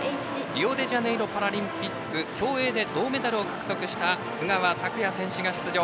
リオデジャネイロパラリンピック競泳で銅メダルを獲得した津川拓也選手が出場。